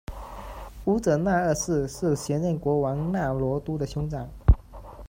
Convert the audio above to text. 乌者那二世是前任国王那罗都的兄长。